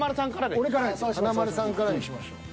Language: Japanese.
華丸さんからにしましょう。